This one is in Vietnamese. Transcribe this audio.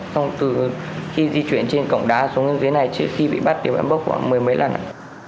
xong từ khi di chuyển trên cổng đá xuống dưới này trước khi bị bắt thì bọn em bốc khoảng mười mấy lần ạ